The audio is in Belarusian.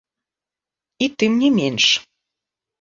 І тым не менш.